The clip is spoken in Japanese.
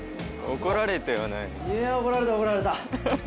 怒られた怒られた。